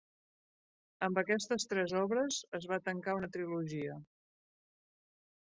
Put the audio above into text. Amb aquestes tres obres, es va tancar una trilogia.